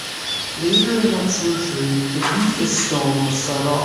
Later in that century the Rufus Stone was set up.